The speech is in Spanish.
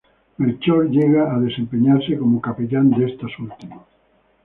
Melchor llegó a desempeñarse como capellán de estos últimos.